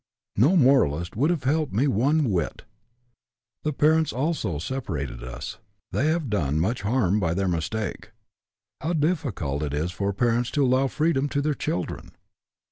No 'moralist' would have helped me one whit. The parents, also, separated us. They have done much harm by their mistake. How difficult it is for parents to allow freedom to their children!